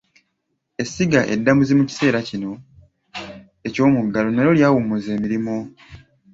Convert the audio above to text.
Essiga eddamuzi mu kiseera kino eky'omuggalo n’alyo lyawummuza emirimu.